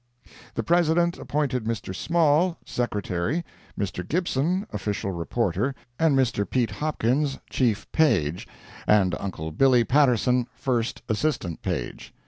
] The President appointed Mr. Small, Secretary, Mr. Gibson, official reporter, and Mr. Pete Hopkins, Chief Page, and Uncle Billy Patterson, First Assistant Page.